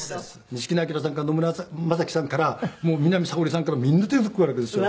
錦野旦さんから野村将希さんから南沙織さんからみんな出てくるわけですよ。